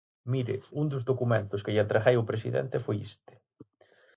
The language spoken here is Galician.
Mire, un dos documentos que lle entreguei ao presidente foi este.